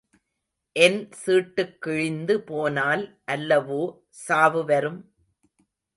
என் சீட்டுக் கிழிந்து போனால் அல்லவோ சாவு வரும்?